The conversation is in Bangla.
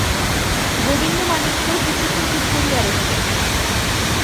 গোবিন্দমাণিক্য কিছুক্ষণ চুপ করিয়া রহিলেন।